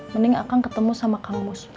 mending akang ketemu sama kang mus